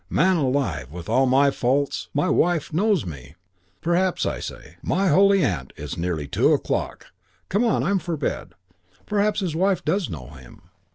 Man alive, with all my faults, my wife knows me.' "Perhaps I say, my holy aunt, it's nearly two o'clock! Come on, I'm for bed. Perhaps his wife does know him.